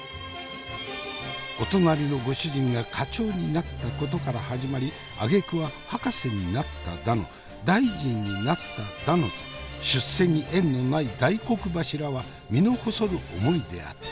お隣のご主人が課長になったことから始まりあげくは博士になっただの大臣になっただのと出世に縁のない大黒柱は身の細る思いであった。